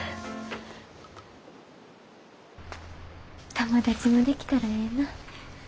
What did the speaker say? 友達もできたらええなぁ。